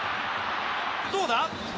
どうだ？